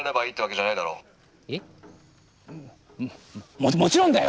ももちろんだよ！